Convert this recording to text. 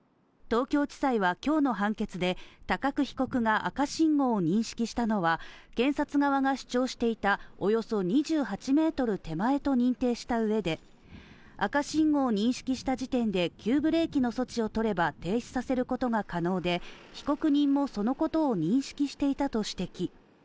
東京地裁は、今日の判決で高久被告が赤信号を認識したのは検察側が主張していたおよそ２８ｍ手前と認定したうえで赤信号を認識した時点で急ブレーキの措置をとれば停止させることが可能で被告人もそのことを認識していたと指摘。